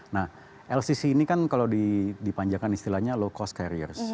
nah al sisi ini kan kalau dipanjangkan istilahnya low cost carriers